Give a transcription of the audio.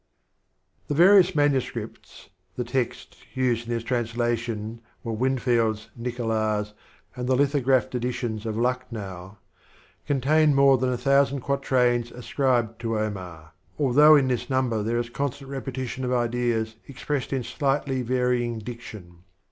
* The various manuscripts [the texts used in this translation were Whinfield's, Nicolas', and the lithographed edition of Lucknow] contain more than a thousand quatrains ascribed to Omar, although in this number there is constant repetition of ideas expressed in slightly varying diction.